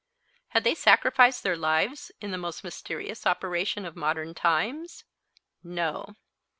Had they sacrificed their lives in the most mysterious operation of modern times? No.